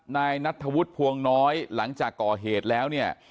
นายนัทธวุฒิภวงน้อยหลังจากก่อเหตุแล้วเนี่ย